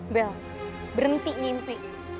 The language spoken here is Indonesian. bel berhenti ngimpi